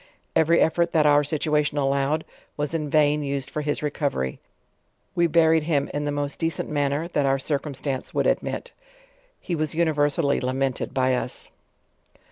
Eve ry 'effort that our eituaticn allowed, was in vaii used for his recovery; we buried him in the most decent manner that our circumstance would admit. He was universally lamented by us.